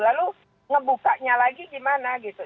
lalu ngebukanya lagi gimana gitu